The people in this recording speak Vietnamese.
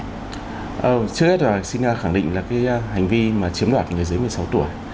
trước hết xin khẳng định là hành vi chiếm đoạt người dưới một mươi sáu tuổi